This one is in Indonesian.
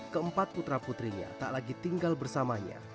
keempat putra putrinya tak lagi tinggal bersamanya